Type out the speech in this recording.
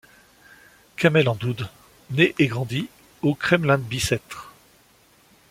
Kamel Hamdoud naît et grandit au Kremlin-Bicêtre.